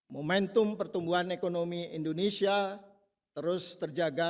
momentum pertumbuhan ekonomi indonesia terus terjaga